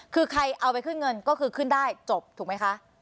คือใครเอาไปขึ้นเงินก็คือขึ้นได้จบถูกไหมคะ